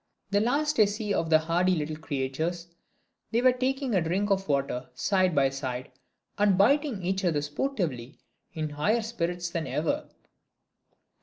The last I see of the hardy little creatures they are taking a drink of water, side by side, and biting each other sportively in higher spirits than ever!